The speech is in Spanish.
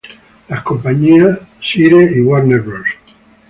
Las compañías Sire y Warner Bros.